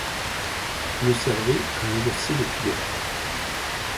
Le servait à inverser les couleurs.